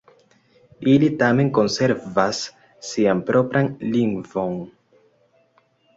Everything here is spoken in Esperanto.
Ili tamen konservas sian propran lingvon.